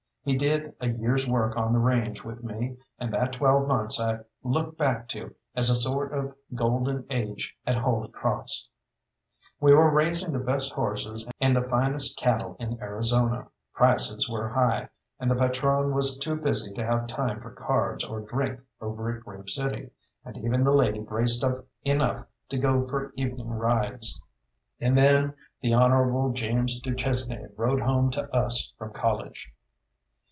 He did a year's work on the range with me, and that twelve months I look back to as a sort of golden age at Holy Cross. We were raising the best horses and the finest cattle in Arizona; prices were high, and the patrone was too busy to have time for cards or drink over at Grave City; and even the lady braced up enough to go for evening rides. And then the Honourable James du Chesnay rode home to us from college.